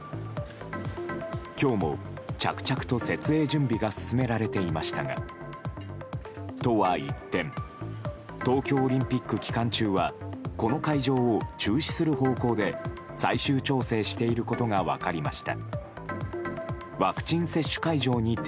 今日も着々と設営準備が進められていましたが都は一転東京オリンピック期間中はこの会場を中止する方向で最終調整していることが分かりました。